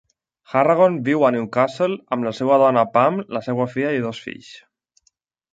Harragon viu a Newcastle amb la seva dona PAM, la seva filla i dos fills.